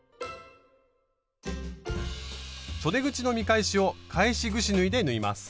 そで口の見返しを返しぐし縫いで縫います。